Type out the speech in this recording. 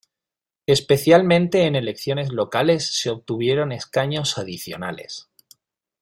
Especialmente en elecciones locales se obtuvieron escaños adicionales.